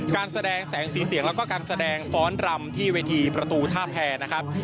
การแสดงแสงสีเสียงแล้วก็การแสดงฟ้อนรำที่เวทีประตูท่าแพรนะครับ